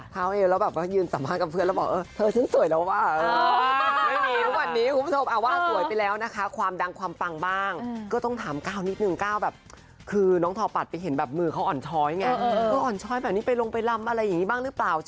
เขาเองแล้วแบบว่ายืนสัมภาษณ์กับเพื่อนแล้วบอกเออเธอฉันสวยแล้วว่ะ